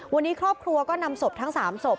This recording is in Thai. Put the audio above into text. วันนี้ครอบครัวก็นำศพทั้ง๓ศพ